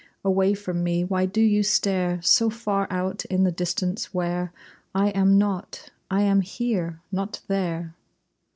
Away from me why do you stare So far out in the distance where I am not? I am here! Not there!